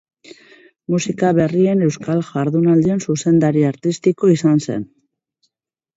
Musika Berrien Euskal Jardunaldien zuzendari artistiko izan zen.